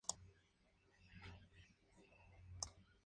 Destacó por su capacidad intelectual.